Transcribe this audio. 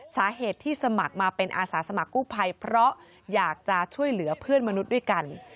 สาเหตุที่สมัครมาเป็นอาสาสมัครกู้ภัยเพราะอยากจะช่วยเหลือเพื่อนมนุษย์ด้วยกัน